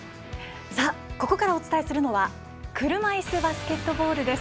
ここからお伝えするのは車いすバスケットボールです。